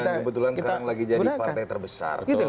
dan kebetulan sekarang lagi jadi partai terbesar